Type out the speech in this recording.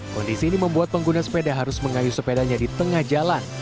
kondisi ini membuat pengguna sepeda harus mengayu sepedanya di tengah jalan